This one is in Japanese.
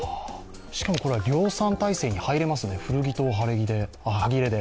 しかもこれは量産体制に入れますね、古着とハレギはぎれで。